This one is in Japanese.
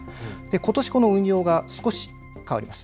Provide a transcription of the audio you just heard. ことしこの運用が少し変わります。